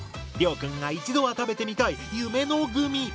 りょうくんが一度は食べてみたい夢のグミ！